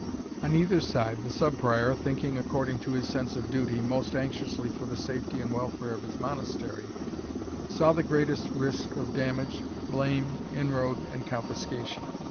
On either side, the Sub Prior, thinking, according to his sense of duty, most anxiously for the safety and welfare of his Monastery, saw the greatest risk of damage, blame, inroad, and confiscation.